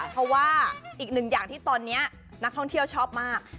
เพราะว่าอีกหนึ่งอย่างที่ตอนนี้นักท่องเที่ยวชอบมาก